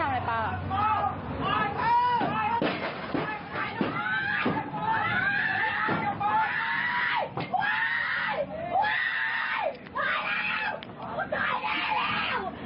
อย่าให้มาอยู่